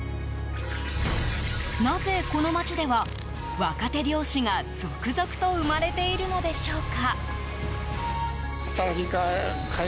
なぜ、この街では若手漁師が続々と生まれているのでしょうか？